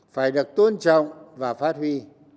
phải được tôn trọng và phát huy